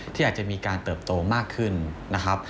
ที่อาจจะมีการเติบโตมากขึ้นนะครับ